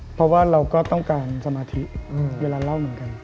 เพราะว่าเราก็ต้องการสมาธิเวลาเล่าเหมือนกัน